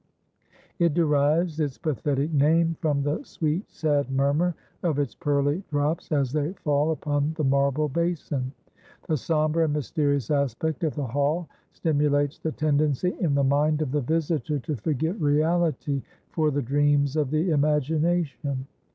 It derives its pathetic name from the sweet sad murmur of its pearly drops as they fall upon the marble basin. The sombre and mysterious aspect of the hall stimulates the tendency in the mind of the visitor to forget reality for the dreams of the imagination.